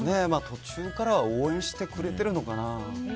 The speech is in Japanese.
途中からは応援してくれてるのかな。